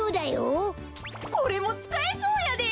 これもつかえそうやで。